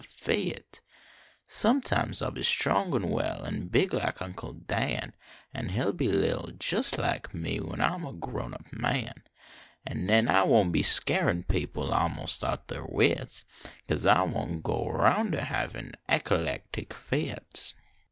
119 EC A LEC T/C FITS Sometime I ll be strong nd well An big like Uncle Dan, An he ll be little jes like me, When I m a grown up man, Nd nen I won t be scarin people Almost out their wits, Cause en I won t go round a havin Ec a lec tic fits.